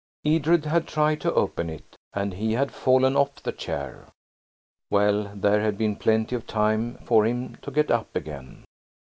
Edred had tried to open it, and he had fallen off the chair. Well, there had been plenty of time for him to get up again.